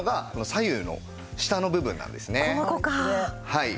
はい。